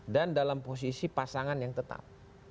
dan dalam posisi pasangan yang tetap